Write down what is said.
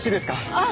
ああ。